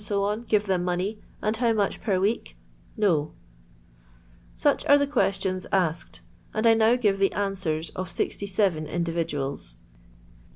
ffiTe them money; and how much per week] — Such are the questions asked, and I now give the answers of 67 individuals.